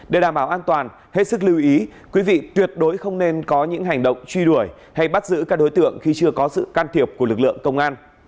để đảm bảo an toàn hết sức lưu ý quý vị tuyệt đối không nên có những hành động truy đuổi hay bắt giữ các đối tượng khi chưa có sự can thiệp của lực lượng công an